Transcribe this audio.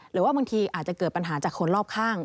หรือว่าบางทีอาจจะเกิดปัญหาจากคนรอบข้าง